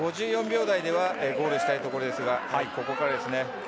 ５４秒台ではいきたいところですがここからですね。